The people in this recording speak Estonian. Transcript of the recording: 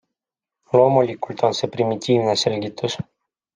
Loomulikult on see primitiivne selgitus.